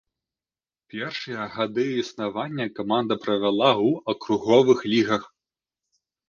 Першыя гады існавання каманда правяла ў акруговых лігах.